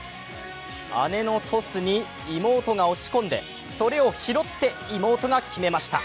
姉のトスに妹が押し込んでそれを拾って妹が決めました。